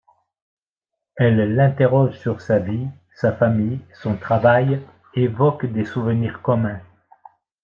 Elle l'interroge sur sa vie, sa famille, son travail, évoque des souvenirs communs.